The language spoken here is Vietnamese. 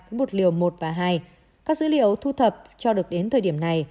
với một liều một và hai các dữ liệu thu thập cho được đến thời điểm này